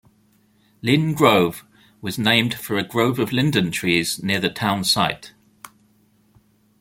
Linn Grove was named for a grove of linden trees near the town site.